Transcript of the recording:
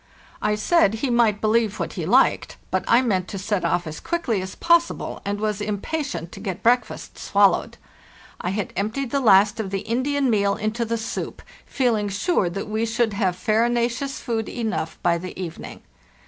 I said he might believe what he liked, but I meant to set off as quickly as possible, and was impatient to get breakfast swallowed. I had emptied the last of the Indian meal into the soup, feeling sure that we should have farinaceous food enough by the evening.